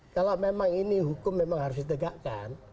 kalau memang ini hukum memang harus ditegakkan